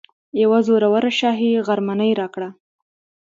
یوه زوروره شاهي غرمنۍ راکړه.